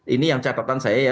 ini yang catatan saya ya